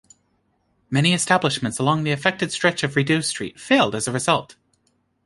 Many establishments along the affected stretch of Rideau Street failed as a result.